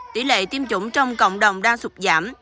tỷ lệ tiêm chủng trong cộng đồng đang sụt giảm